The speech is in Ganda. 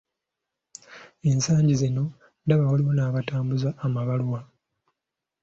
Ensangi zino ndaba waliwo n'abatambuza amabaluwa.